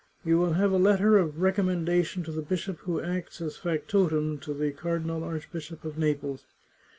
You will have a letter of recom mendation to the bishop who acts as factotum to the Car dinal Archbishop of Naples.